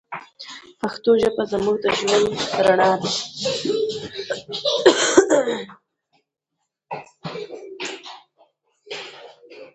پښتو ژبه زموږ د ژوند رڼا ده.